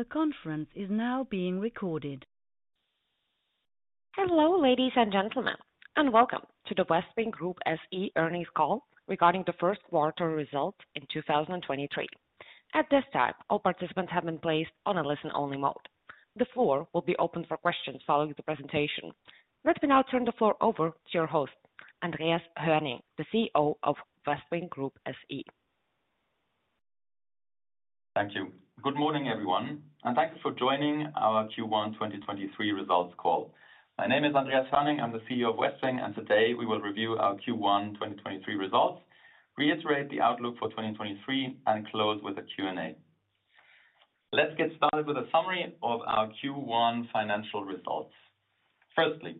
The conference is now being recorded. Hello, ladies and gentlemen, and welcome to the Westwing Group earnings call regarding the first quarter results in 2023. At this time, all participants have been placed on a listen-only mode. The floor will be open for questions following the presentation. Let me now turn the floor over to your host, Andreas Hoerning, the CEO of Westwing Group. Thank you. Good morning, everyone, thank you for joining our Q1 2023 results call. My name is Andreas Hoerning. I'm the CEO of Westwing, today we will review our Q1 2023 results, reiterate the outlook for 2023 and close with a Q&A. Let's get started with a summary of our Q1 financial results. Firstly,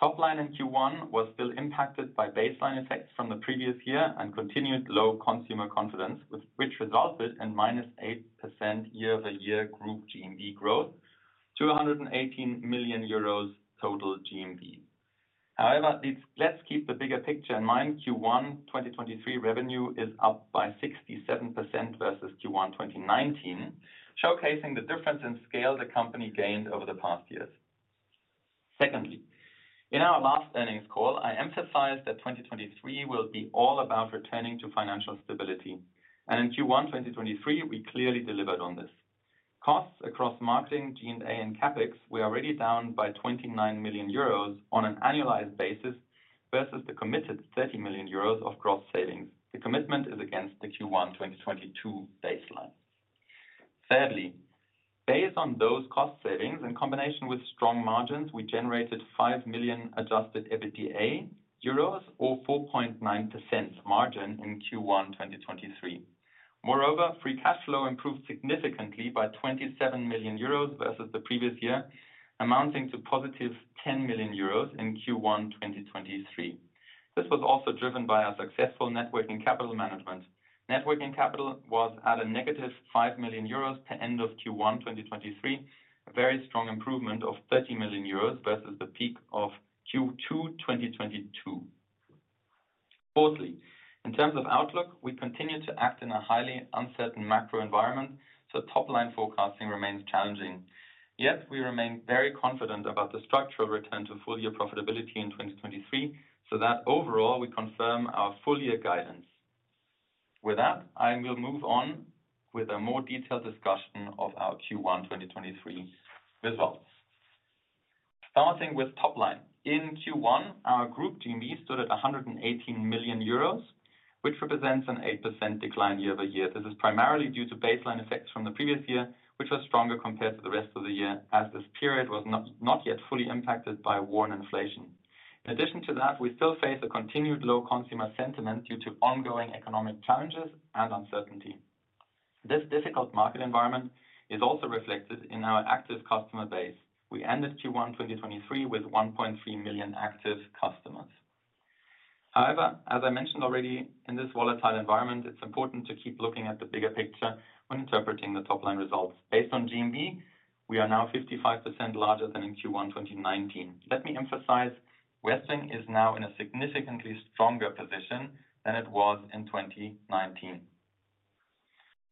top line in Q1 was still impacted by baseline effects from the previous year and continued low consumer confidence, which resulted in -8% year-over-year group GMV growth to 118 million euros total GMV. However, let's keep the bigger picture in mind. Q1 2023 revenue is up by 67% versus Q1 2019, showcasing the difference in scale the company gained over the past years. Secondly, in our last earnings call, I emphasized that 2023 will be all about returning to financial stability. In Q1 2023, we clearly delivered on this. Costs across marketing, G&A and CapEx were already down by 29 million euros on an annualized basis versus the committed 30 million euros of gross savings. The commitment is against the Q1 2022 baseline. Thirdly, based on those cost savings in combination with strong margins, we generated 5 million Adjusted EBITDA or 4.9% margin in Q1 2023. Moreover, Free Cash Flow improved significantly by 27 million euros versus the previous year, amounting to positive 10 million euros in Q1 2023. This was also driven by our successful net working capital management. Net working capital was at a negative 5 million euros to end of Q1 2023, a very strong improvement of 30 million euros versus the peak of Q2 2022. Fourthly, in terms of outlook, we continue to act in a highly uncertain macro environment, so top-line forecasting remains challenging. Yet we remain very confident about the structural return to full-year profitability in 2023, that overall, we confirm our full-year guidance. With that, I will move on with a more detailed discussion of our Q1 2023 results. Starting with top line. In Q1, our group GMV stood at 118 million euros, which represents an 8% decline year-over-year. This is primarily due to baseline effects from the previous year, which was stronger compared to the rest of the year, as this period was not yet fully impacted by war and inflation. In addition to that, we still face a continued low consumer sentiment due to ongoing economic challenges and uncertainty. This difficult market environment is also reflected in our active customer base. We ended Q1 2023 with 1.3 million active customers. As I mentioned already, in this volatile environment, it's important to keep looking at the bigger picture when interpreting the top-line results. Based on GMV, we are now 55% larger than in Q1 2019. Let me emphasize, Westwing is now in a significantly stronger position than it was in 2019.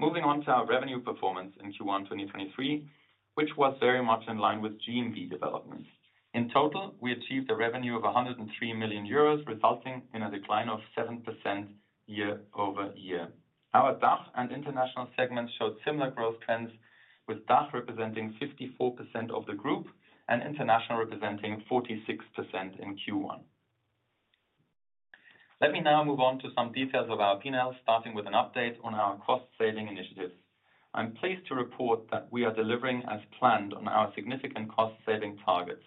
Moving on to our revenue performance in Q1 2023, which was very much in line with GMV developments. In total, we achieved a revenue of 103 million euros, resulting in a decline of 7% year-over-year. Our DACH and international segments showed similar growth trends, with DACH representing 54% of the group and international representing 46% in Q1. Let me now move on to some details of our P&L, starting with an update on our cost-saving initiatives. I'm pleased to report that we are delivering as planned on our significant cost-saving targets.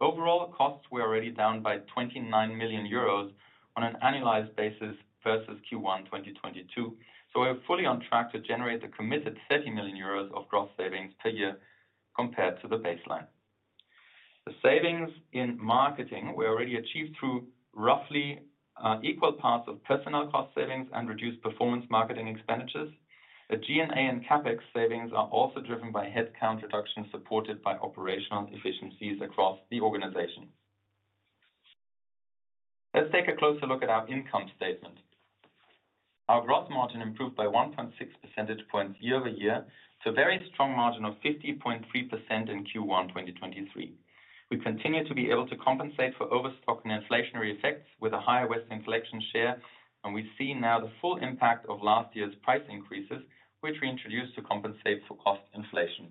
Overall costs were already down by 29 million euros on an annualized basis versus Q1 2022. We're fully on track to generate the committed 30 million euros of gross savings per year compared to the baseline. The savings in marketing were already achieved through roughly equal parts of personnel cost savings and reduced performance marketing expenditures. The G&A and CapEx savings are also driven by headcount reduction, supported by operational efficiencies across the organization. Let's take a closer look at our income statement. Our gross margin improved by 1.6 percentage points year-over-year to a very strong margin of 50.3% in Q1 2023. We continue to be able to compensate for overstock and inflationary effects with a higher Westwing Collection share. We see now the full impact of last year's price increases, which we introduced to compensate for cost inflation.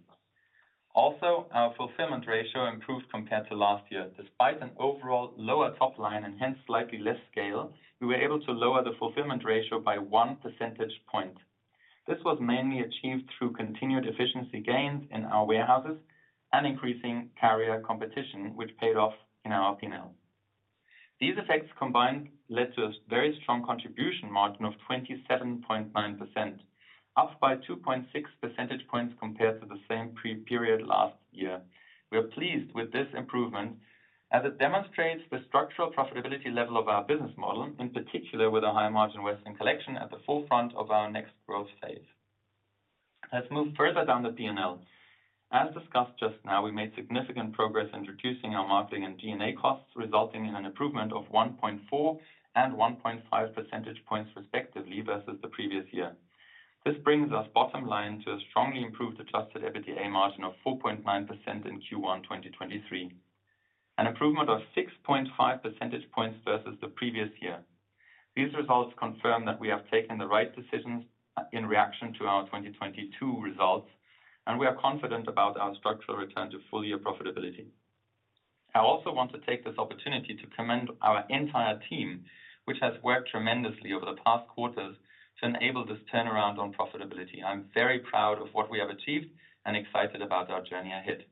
Our fulfillment ratio improved compared to last year. Despite an overall lower top line and hence slightly less scale, we were able to lower the fulfillment ratio by one percentage point. This was mainly achieved through continued efficiency gains in our warehouses and increasing carrier competition, which paid off in our P&L. These effects combined led to a very strong contribution margin of 27.9%, up by 2.6 percentage points compared to the same period last year. We are pleased with this improvement as it demonstrates the structural profitability level of our business model, in particular with a high-margin Westwing Collection at the forefront of our next growth phase. Let's move further down the P&L. As discussed just now, we made significant progress in reducing our marketing and G&A costs, resulting in an improvement of 1.4 and 1.5 percentage points, respectively, versus the previous year. This brings us bottom line to a strongly improved Adjusted EBITDA margin of 4.9% in Q1 2023. An improvement of 6.5 percentage points versus the previous year. These results confirm that we have taken the right decisions in reaction to our 2022 results, and we are confident about our structural return to full year profitability. I also want to take this opportunity to commend our entire team, which has worked tremendously over the past quarters to enable this turnaround on profitability. I'm very proud of what we have achieved and excited about our journey ahead.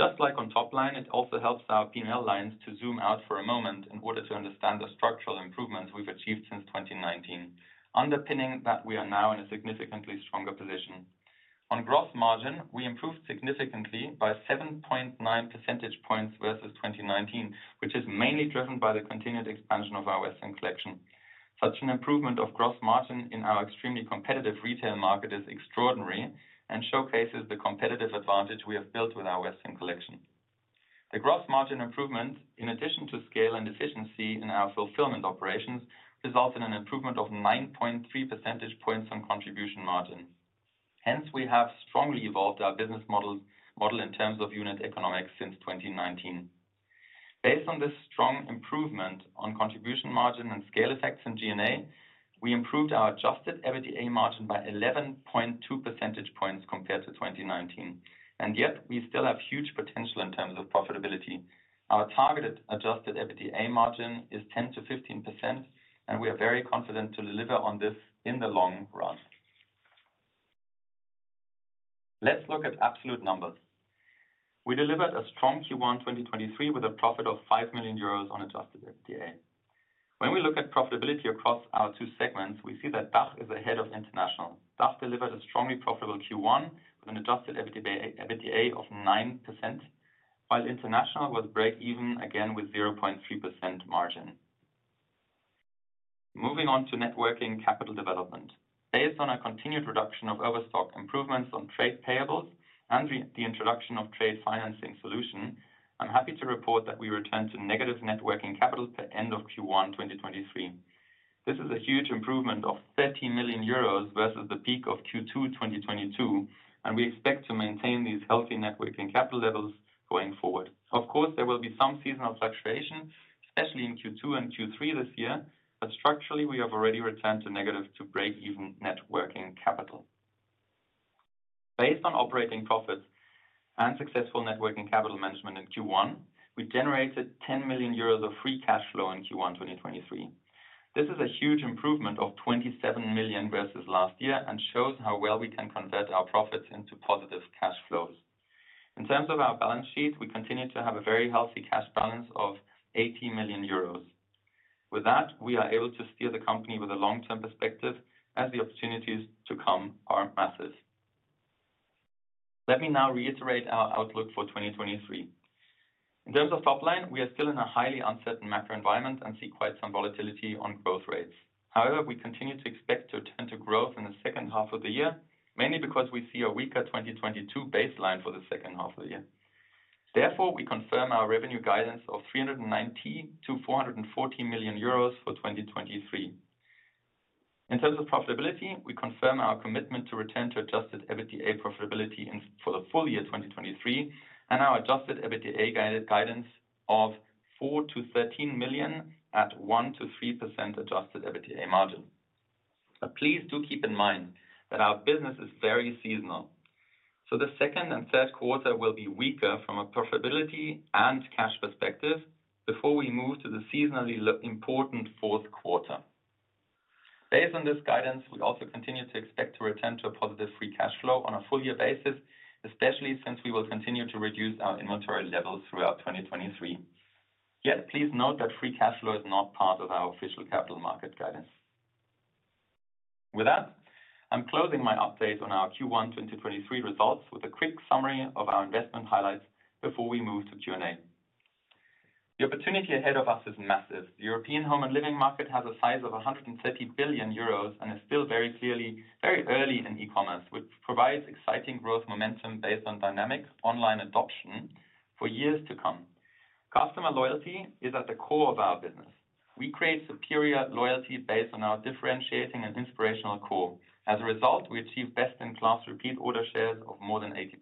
Just like on top line, it also helps our P&L lines to zoom out for a moment in order to understand the structural improvements we've achieved since 2019. Underpinning that we are now in a significantly stronger position. On gross margin, we improved significantly by 7.9 percentage points versus 2019, which is mainly driven by the continued expansion of our Westwing Collection. Such an improvement of gross margin in our extremely competitive retail market is extraordinary and showcases the competitive advantage we have built with our Westwing Collection. The gross margin improvement, in addition to scale and efficiency in our fulfillment operations, results in an improvement of 9.3 percentage points on contribution margin. We have strongly evolved our business model in terms of unit economics since 2019. Based on this strong improvement on contribution margin and scale effects in G&A, we improved our Adjusted EBITDA margin by 11.2 percentage points compared to 2019, and yet we still have huge potential in terms of profitability. Our targeted Adjusted EBITDA margin is 10%-15%, and we are very confident to deliver on this in the long run. Let's look at absolute numbers. We delivered a strong Q1 2023 with a profit of 5 million euros on Adjusted EBITDA. When we look at profitability across our two segments, we see that DACH is ahead of international. DACH delivered a strongly profitable Q1 with an Adjusted EBITDA of 9%, while international was breakeven again with 0.3% margin. Moving on to net working capital development. Based on our continued reduction of overstock improvements on trade payables and the introduction of trade financing solution, I'm happy to report that we returned to negative net working capital at end of Q1, 2023. This is a huge improvement of 30 million euros versus the peak of Q2, 2022, and we expect to maintain these healthy net working capital levels going forward. Of course, there will be some seasonal fluctuation, especially in Q2 and Q3 this year, but structurally we have already returned to negative to breakeven net working capital. Based on operating profits and successful net working capital management in Q1, we generated 10 million euros of Free Cash Flow in Q1, 2023. This is a huge improvement of 27 million versus last year and shows how well we can convert our profits into positive cash flows. In terms of our balance sheet, we continue to have a very healthy cash balance of 80 million euros. We are able to steer the company with a long-term perspective as the opportunities to come are massive. Let me now reiterate our outlook for 2023. In terms of top line, we are still in a highly uncertain macro environment and see quite some volatility on growth rates. We continue to expect to return to growth in the second half of the year, mainly because we see a weaker 2022 baseline for the second half of the year. We confirm our revenue guidance of 390 million-440 million euros for 2023. In terms of profitability, we confirm our commitment to return to Adjusted EBITDA profitability for the full year 2023 and our Adjusted EBITDA guided guidance of 4 million-13 million at 1%-3% Adjusted EBITDA margin. Please do keep in mind that our business is very seasonal. The second and third quarter will be weaker from a profitability and cash perspective before we move to the seasonally important fourth quarter. Based on this guidance, we also continue to expect to return to a positive Free Cash Flow on a full year basis, especially since we will continue to reduce our inventory levels throughout 2023. Please note that Free Cash Flow is not part of our official capital market guidance. With that, I'm closing my update on our Q1 2023 results with a quick summary of our investment highlights before we move to Q&A. The opportunity ahead of us is massive. The European home and living market has a size of 130 billion euros and is still very clearly very early in e-commerce, which provides exciting growth momentum based on dynamic online adoption for years to come. Customer loyalty is at the core of our business. We create superior loyalty based on our differentiating and inspirational core. As a result, we achieve best in class repeat order shares of more than 80%.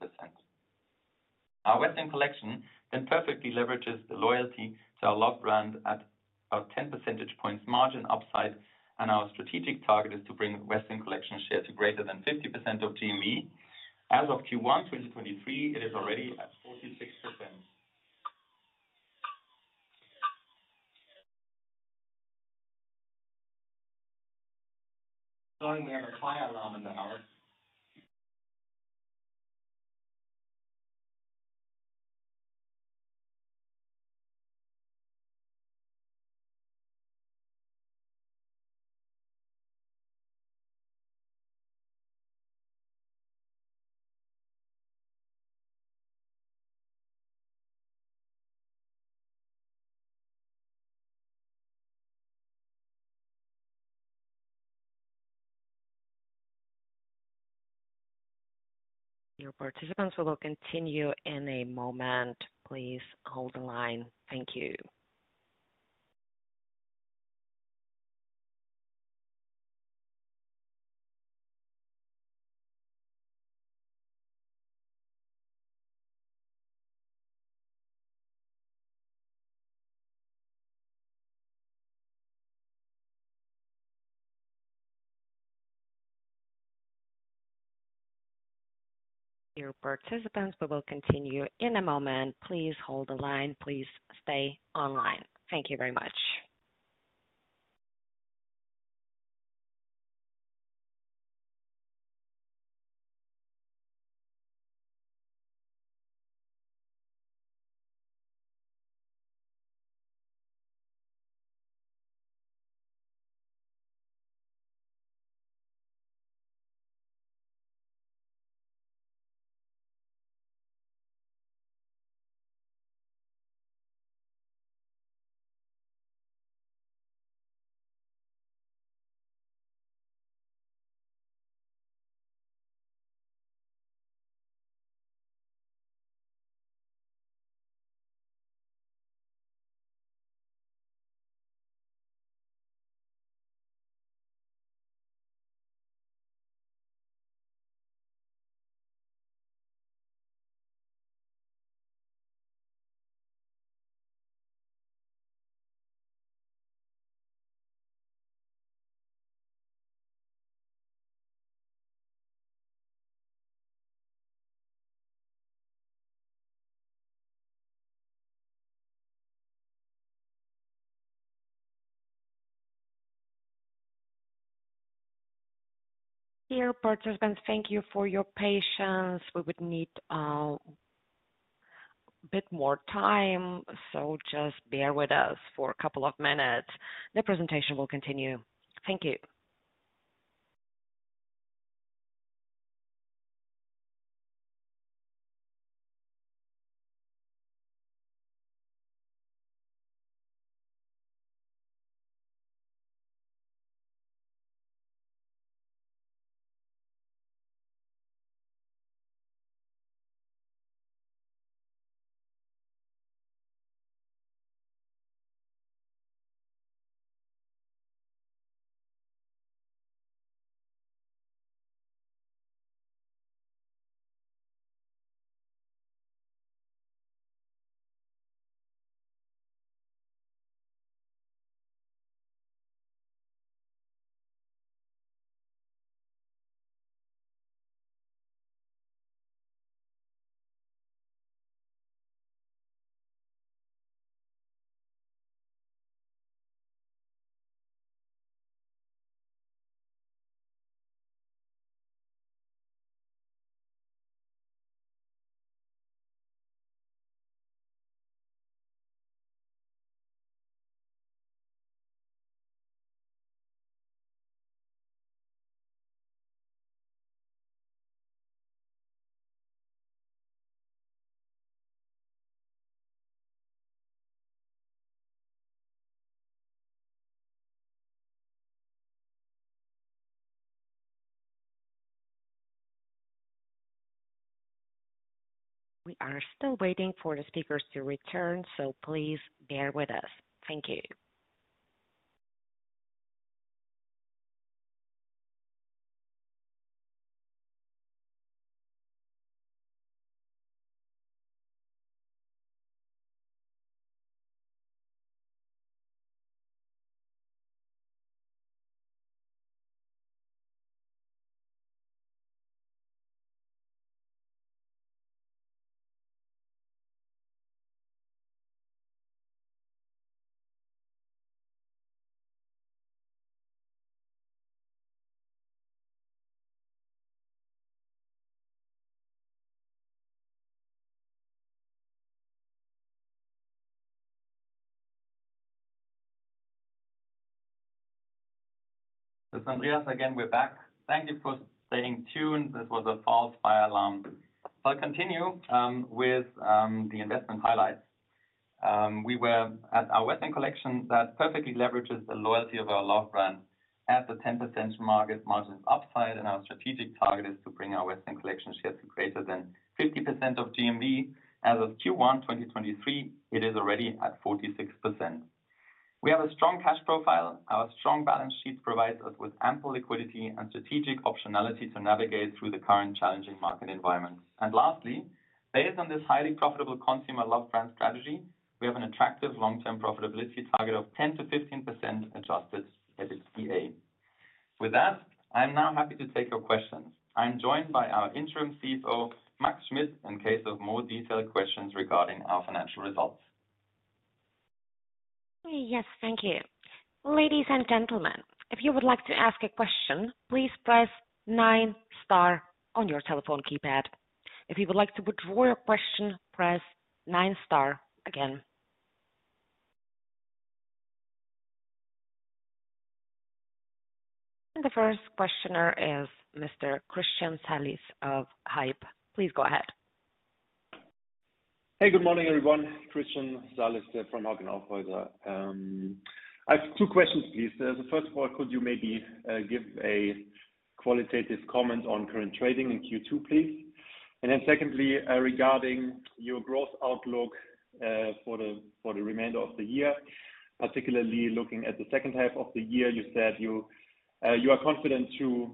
Our Westwing Collection perfectly leverages the loyalty to our loved brand at about 10 percentage points margin upside and our strategic target is to bring Westwing Collection share to greater than 50% of GMV. As of Q1 2023, it is already at 46%. Sorry, we have a fire alarm in the house. Your participants will continue in a moment. Please hold the line. Thank you. Dear participants, we will continue in a moment. Please hold the line. Please stay online. Thank you very much. We are still waiting for the speakers to return, so please bear with us. Thank you. This is Andreas again, we're back. Thank you for staying tuned. This was a false fire alarm. I'll continue with the investment highlights. We were at our Westwing Collection that perfectly leverages the loyalty of our love brand at the 10% market margins upside, and our strategic target is to bring our Westwing Collection shares to greater than 50% of GMV. As of Q1 2023, it is already at 46%. We have a strong cash profile. Our strong balance sheet provides us with ample liquidity and strategic optionality to navigate through the current challenging market environment. Lastly, based on this highly profitable consumer love brand strategy, we have an attractive long-term profitability target of 10%-15% Adjusted EBITDA. With that, I'm now happy to take your questions. I'm joined by our interim CFO, Max Schmidt, in case of more detailed questions regarding our financial results. Yes, thank you. Ladies and gentlemen, if you would like to ask a question, please press nine star on your telephone keypad. If you would like to withdraw your question, press nine star again. The first questioner is Mr. Christian Salis of Hauck & Aufhäuser. Please go ahead. Hey, good morning, everyone. Christian Salis from Hauck & Aufhäuser. I have two questions, please. First of all, could you maybe give a qualitative comment on current trading in Q2, please? Secondly, regarding your growth outlook for the remainder of the year, particularly looking at the second half of the year. You said you are confident to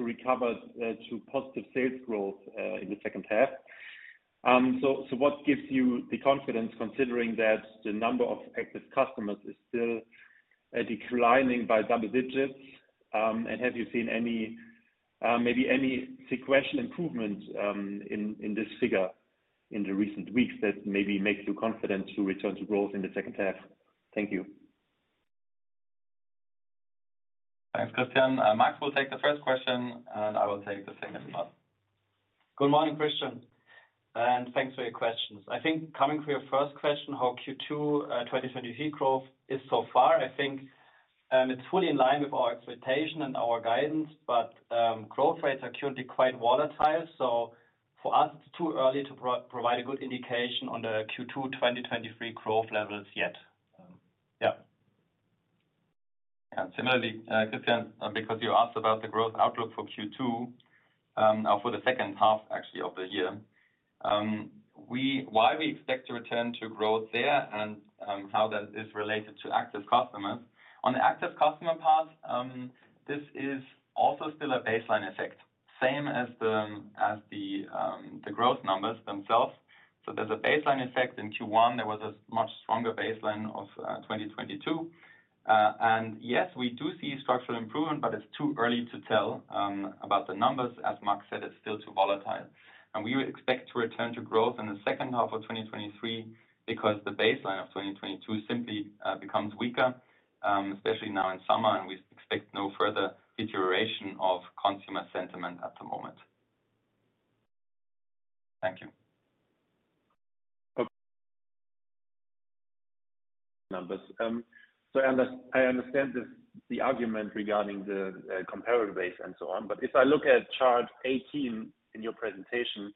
recover to positive sales growth in the second half. What gives you the confidence considering that the number of active customers is still declining by double digits? Have you seen any maybe any sequential improvement in this figure in the recent weeks that maybe makes you confident to return to growth in the second half? Thank you. Thanks, Christian. Max will take the first question, and I will take the second one. Good morning, Christian, and thanks for your questions. I think coming to your first question, how Q2 2023 growth is so far, I think, it's fully in line with our expectation and our guidance. Growth rates are currently quite volatile, so for us it's too early to provide a good indication on the Q2 2023 growth levels yet. yeah. Similarly, Christian, because you asked about the growth outlook for Q2 or for the second half actually of the year. Why we expect to return to growth there and how that is related to active customers. On the active customer part, this is also still a baseline effect, same as the growth numbers themselves. There's a baseline effect in Q1. There was a much stronger baseline of 2022. Yes, we do see structural improvement, but it's too early to tell about the numbers. As Max said, it's still too volatile. We expect to return to growth in the second half of 2023 because the baseline of 2022 simply becomes weaker, especially now in summer, and we expect no further deterioration of consumer sentiment at the moment. Thank you. Okay. Numbers. I understand the argument regarding the comparative base and so on, but if I look at chart 18 in your presentation,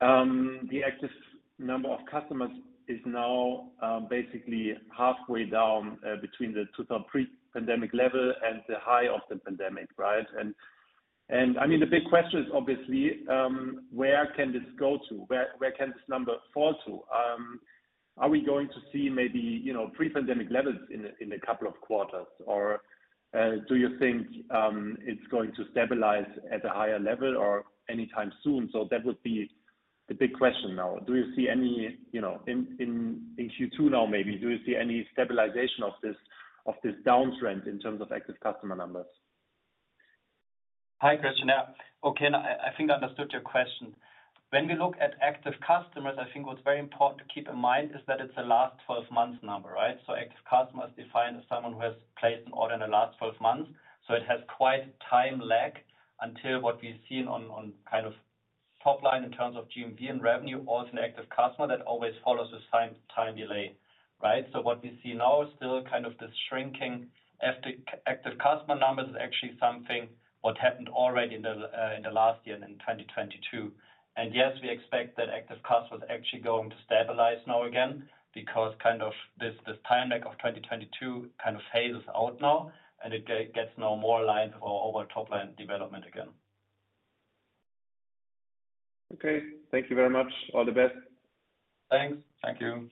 the active number of customers is now basically halfway down between the 2,000 pre-pandemic level and the high of the pandemic, right? I mean, the big question is obviously, where can this go to? Where can this number fall to? Are we going to see maybe, you know, pre-pandemic levels in a couple of quarters? Do you think it's going to stabilize at a higher level or anytime soon? That would be the big question now. Do you see any, you know, in Q2 now maybe, do you see any stabilization of this downtrend in terms of active customer numbers? Hi, Christian. Yeah. Okay. I think I understood your question. When we look at active customers, I think what's very important to keep in mind is that it's a last 12 months number, right? Active customers define as someone who has placed an order in the last 12 months, so it has quite time lag until what we've seen on kind of top line in terms of GMV and revenue, also an active customer that always follows the same time delay, right? What we see now is still kind of this shrinking. Active customer numbers is actually something what happened already in the last year, in 2022. Yes, we expect that active customers actually going to stabilize now again because kind of this time lag of 2022 kind of phases out now, and it gets now more aligned for our overall top line development again. Okay. Thank you very much. All the best. Thanks. Thank you.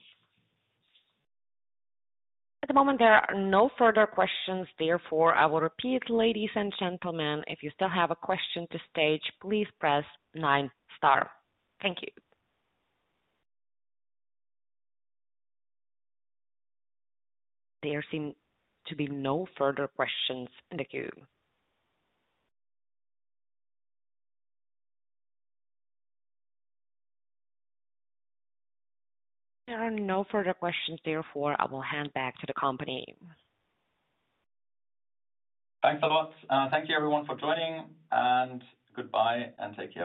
At the moment, there are no further questions. I will repeat, ladies and gentlemen, if you still have a question to stage, please press nine star. Thank you. There seem to be no further questions in the queue. There are no further questions. I will hand back to the company. Thanks a lot. Thank you everyone for joining, and goodbye and take care.